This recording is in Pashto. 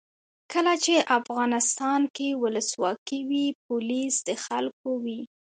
کله چې افغانستان کې ولسواکي وي پولیس د خلکو وي.